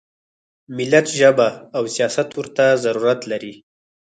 ملت ژبه او سیاست ورته ضرورت لري.